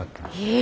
え。